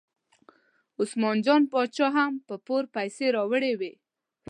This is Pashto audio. عثمان جان باچا هم په پور پیسې راوړې وې.